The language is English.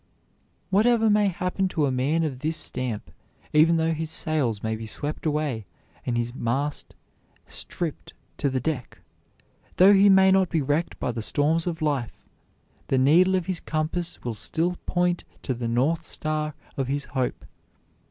Whatever may happen to a man of this stamp, even though his sails may be swept away and his mast stripped to the deck, though he may be wrecked by the storms of life, the needle of his compass will still point to the North Star of his hope.